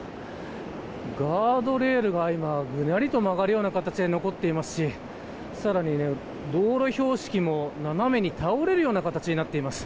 ガードレールがぐにゃりと曲がってる形で残っていますしさらに、道路標識も斜めに倒れるような形になっています。